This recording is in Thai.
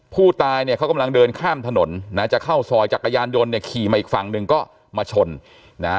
ผู้ตายเนี่ยเขากำลังเดินข้ามถนนนะจะเข้าซอยจักรยานยนต์เนี่ยขี่มาอีกฝั่งหนึ่งก็มาชนนะฮะ